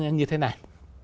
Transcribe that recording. như thế này